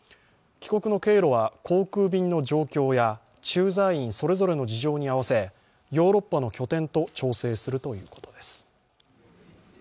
帰国の経路は航空便の状況や駐在員それぞれの事情に合わせヨーロッパの拠点と調整するということです。